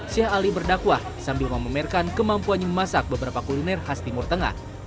sheikh ali berdakwah sambil memamerkan kemampuannya memasak beberapa kuliner khas timur tengah